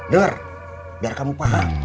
dengar biar kamu paham